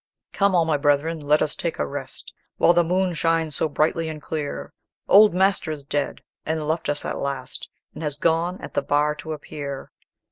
"Come, all my brethren, let us take a rest, While the moon shines so brightly and clear; Old master is dead, and left us at last, And has gone at the Bar to appear.